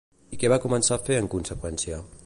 I què va començar a fer en conseqüència?